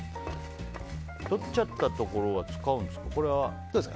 取っちゃったところは使うんですか？